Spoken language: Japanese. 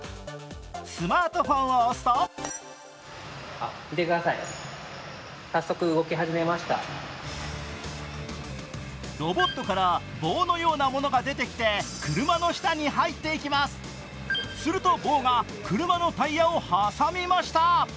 スマートフォンを押すとロボットから棒のようなものが出てきて、車の下に入っていきますすると棒が車のタイヤを挟みました。